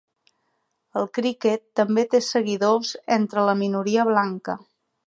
El criquet també té seguidors entre la minoria blanca.